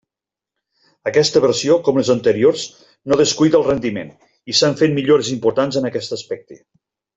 Aquesta versió, com les anteriors, no descuida el rendiment, i s'han fet millores importants en aquest aspecte.